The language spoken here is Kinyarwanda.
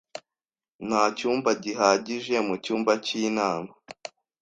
Nta cyumba gihagije mu cyumba cy'inama.